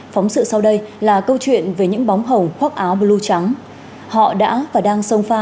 phóng sự sau đây là câu chuyện về những bóng hồng khoác áo blue trắng họ đã và đang sông pha